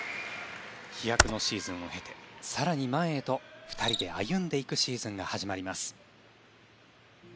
飛躍のシーズンを経て更に前へと２人で歩んでいくシーズンが始まります。